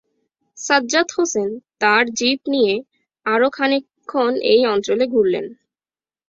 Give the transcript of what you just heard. সাজ্জাদ হোসেন তাঁর জীপ নিয়ে আরো খানিকক্ষণ এই অঞ্চলে ঘুরলেন।